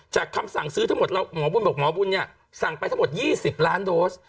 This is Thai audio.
คำสั่งซื้อทั้งหมดเราหมอบุญบอกหมอบุญเนี่ยสั่งไปทั้งหมด๒๐ล้านโดส